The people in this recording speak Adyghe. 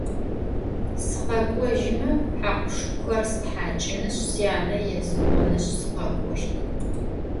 Sıkhek'ojme hakhu - şşıkhuxer sthaç'ınışs, syane yês'onışs, sıkhek'oşt.